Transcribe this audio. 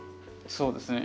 そうですね。